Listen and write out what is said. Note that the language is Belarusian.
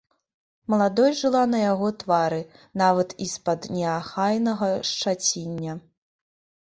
Маладосць жыла на яго твары, нават і з-пад неахайнага шчаціння.